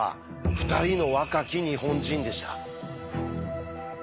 ２人の若き日本人でした。